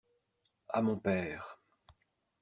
À mon père.